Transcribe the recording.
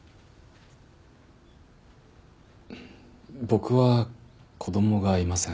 僕は子供がいません。